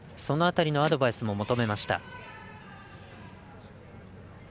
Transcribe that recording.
その辺りのアドバイスも求めました。